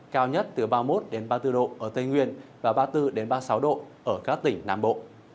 cao nhất từ ba mươi một ba mươi bốn độ ở tây nguyên và ba mươi bốn ba mươi sáu độ ở các tỉnh nam bộ